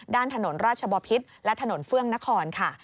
ด้านถนนราชบพิษและถนนเฟื่องนครค่ะ